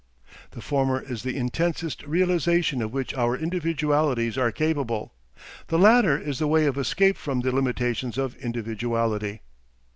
The former is the intensest realisation of which our individualities are capable; the latter is the way of escape from the limitations of individuality.